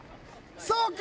そうか！